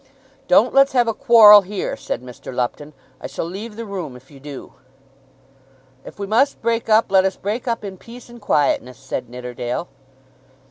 "Don't let's have a quarrel here," said Mr. Lupton. "I shall leave the room if you do." "If we must break up, let us break up in peace and quietness," said Nidderdale.